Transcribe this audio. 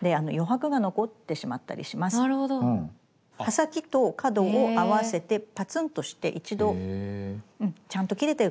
刃先と角を合わせてパツンとして一度ちゃんと切れてるかどうか確認して下さい。